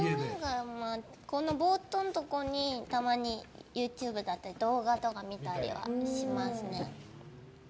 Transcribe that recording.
このぼーっとのところにたまにＹｏｕＴｕｂｅとか動画とか見たりはしますね。